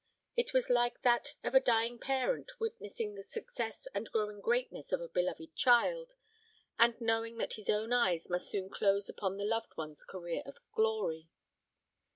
It was like that of a dying parent witnessing the success and growing greatness of a beloved child, and knowing that his own eyes must soon close upon the loved one's career of glory.